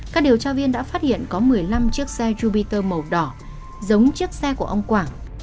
các điều tra viên đã phát hiện có một mươi năm chiếc xe jupiter màu đỏ giống chiếc xe của ông quảng